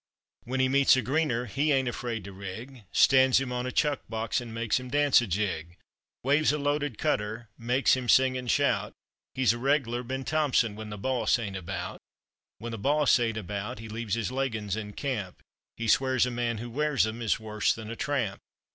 When he meets a greener he ain't afraid to rig, Stands him on a chuck box and makes him dance a jig, Waves a loaded cutter, makes him sing and shout, He's a regular Ben Thompson when the boss ain't about. When the boss ain't about he leaves his leggins in camp, He swears a man who wears them is worse than a tramp.